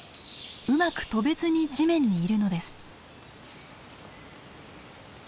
うまく飛べずに地面にいるのです。